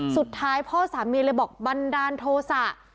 สุดท้ายพ่อสามีเลยบอกบันดาลโทษะ